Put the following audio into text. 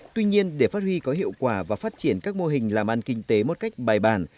tuy nhiên để phát huy có hiệu quả và phát triển các mô hình làm ăn kinh tế một cách bài bản